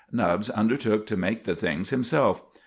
Nubbs undertook to make the things himself.